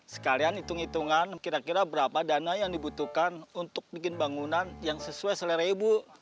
sekalian hitung hitungan kira kira berapa dana yang dibutuhkan untuk bikin bangunan yang sesuai selera ibu